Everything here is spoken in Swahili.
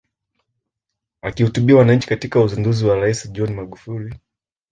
Akihutubia wananchi katika uzinduzi wa Rais John Magufuli